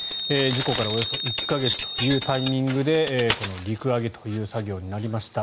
事故からおよそ１か月というタイミングでこの陸揚げという作業になりました。